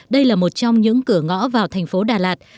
đây là một trong những cửa ngõ vào thành phố đà lạt